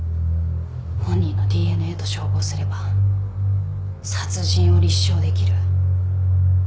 本人のＤＮＡと照合すれば殺人を立証できる。